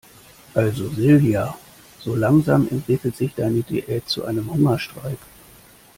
Also Silja, so langsam entwickelt sich deine Diät zu einem Hungerstreik.